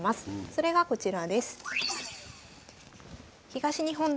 それがこちらです。